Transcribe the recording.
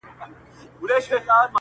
تا خو جهاني د سباوون په تمه ستړي کړو!.